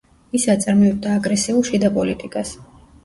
ის აწარმოებდა აგრესიულ შიდა პოლიტიკას.